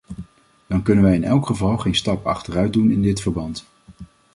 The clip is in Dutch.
Dan kunnen wij in elk geval geen stap achteruit doen in dit verband.